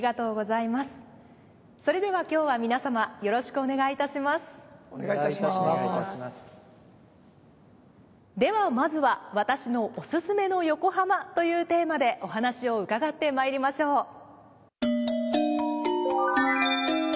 ではまずは「私のおすすめの横浜」というテーマでお話を伺ってまいりましょう。